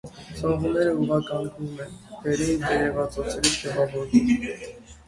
Ցողունները ուղղականգուն են, վերին տերևածոցերից ճյուղավորվող։